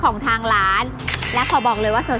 เพราะว่าผักหวานจะสามารถทำออกมาเป็นเมนูอะไรได้บ้าง